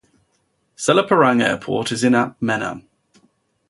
Selaparang Airport is in Ampenan.